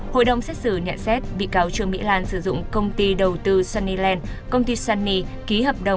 hội đồng xét xử nhận xét bị cáo trương mỹ lan sử dụng công ty đầu tư sunnyland